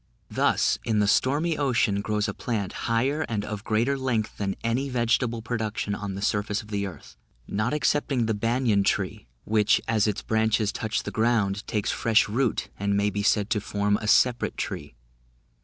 Thus, in the stormy ocean, grows a plant, higher and of greater length than any vegetable production of the surface of the earth, not excepting the banyan tree, which, as its branches touch the ground, takes fresh root, and may be said to form a separate tree.